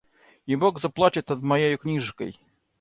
И бог заплачет над моею книжкой!